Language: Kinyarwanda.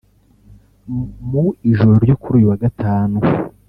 Mu ijoro ryo kuri uyu wa Gatanu